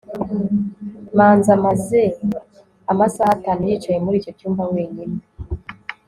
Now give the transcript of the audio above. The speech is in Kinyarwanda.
manzi amaze amasaha atanu yicaye muri icyo cyumba wenyine